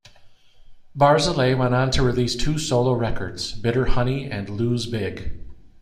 Barzelay went on to release two solo records, "Bitter Honey" and "Lose Big".